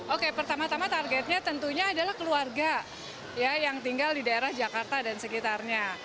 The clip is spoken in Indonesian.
oke pertama tama targetnya tentunya adalah keluarga yang tinggal di daerah jakarta dan sekitarnya